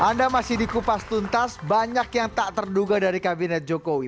anda masih di kupas tuntas banyak yang tak terduga dari kabinet jokowi